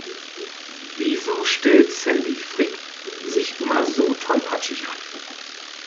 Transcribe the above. Wieso stellt Sandy Frick sich immer so tollpatschig an?